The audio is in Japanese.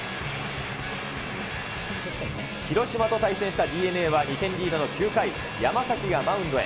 広島と対戦したＤｅＮＡは２点リードの９回、山崎がマウンドへ。